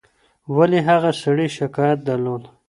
ولي هغه سړي شکايت درلود؟